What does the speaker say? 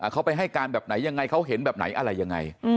เขาไปให้การแบบไหนยังไงเขาเห็นแบบไหนอะไรยังไง